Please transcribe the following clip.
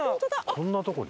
こんなとこに？